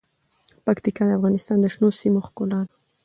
پکتیکا د افغانستان د شنو سیمو ښکلا ده.